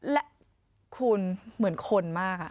และคุณเหมือนคนมาก